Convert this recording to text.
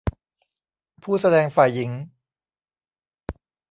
ผู้แสดงฝ่ายหญิง